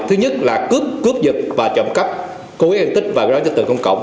thứ nhất là cướp cướp dịch và trộm cắp cố gắng ghen tích và gói cho tượng công cộng